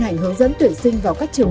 hành hướng dẫn tuyển sinh vào các trường